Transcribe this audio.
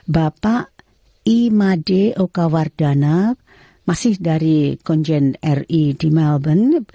bapak imade okawardana masih dari konjen ri di melbourne